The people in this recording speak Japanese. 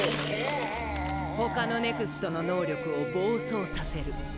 ⁉他のＮＥＸＴの能力を暴走させる。